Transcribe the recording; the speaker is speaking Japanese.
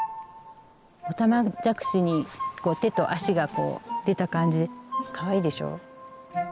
オタマジャクシに手と足がこう出た感じでかわいいでしょ。